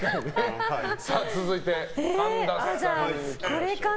続いて、神田さん。